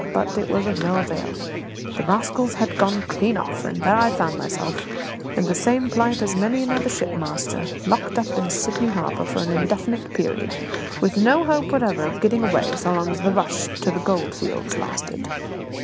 But it was of no avail; the rascals had gone clean off; and there I found myself, in the same plight as many another shipmaster, locked up in Sydney Harbour for an indefinite period, with no hope whatever of getting away so long as the rush to the gold fields lasted.